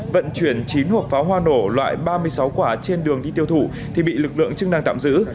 vận chuyển chín hộp pháo hoa nổ loại ba mươi sáu quả trên đường đi tiêu thụ thì bị lực lượng chức năng tạm giữ